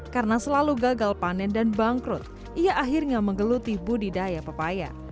karena selalu gagal panen dan bangkrut ia akhirnya menggeluti budidaya papaya